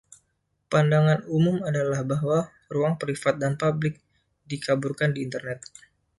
Pandangan umum adalah bahwa ruang privat dan publik dikaburkan di Internet.